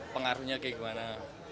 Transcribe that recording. pengaruhnya kayak gimana